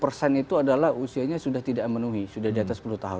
pasan itu adalah usianya sudah tidak menuhi sudah di atas sepuluh tahun